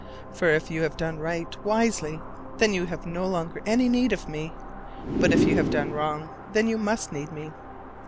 For if you have done right, wisely, then you have no longer any need of me: but if you have done wrong, then you must need me.